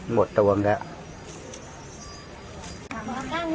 หมดตะวังแล้ว